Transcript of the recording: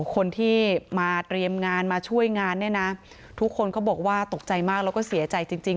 คนที่มาเตรียมงานมาช่วยงานเนี่ยนะทุกคนก็บอกว่าตกใจมากแล้วก็เสียใจจริง